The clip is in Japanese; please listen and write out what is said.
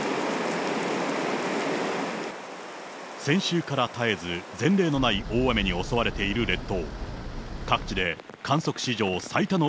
先週から絶えず前例のない大雨に襲われている列島。